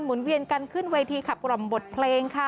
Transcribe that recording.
นเวียนกันขึ้นเวทีขับกล่อมบทเพลงค่ะ